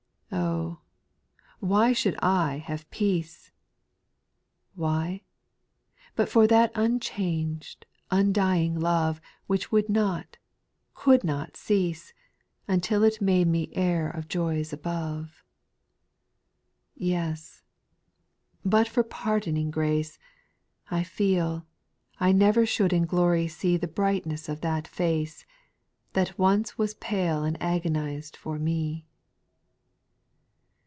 6. Oh ! why should I have peace ? Why ? but for that unchanged, undying love, Which would not, could not cease, Until it made me heir of joys above. 7. Yes, — but for pardoning grace, I feel, I never should in glory see The brightness of that face. That once was pale and agonized for me.